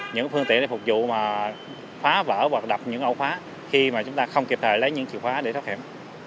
những phương tiện để phục vụ mà phá vỡ hoặc đập những ổ khóa khi mà chúng ta không kịp thời lấy những chìa khóa để thoát hiểm